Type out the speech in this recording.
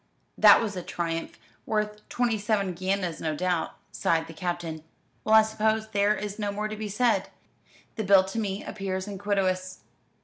"That was a triumph worth twenty seven guineas, no doubt," sighed the Captain. "Well, I suppose there is no more to be said. The bill to me appears iniquitous.